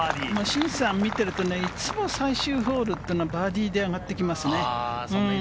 シンさんを見てると、いつも最終ホールというのはバーディーで上がってきますね。